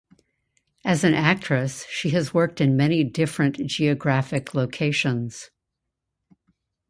As an actress she has worked in many different geographic locations.